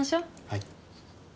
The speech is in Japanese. はい。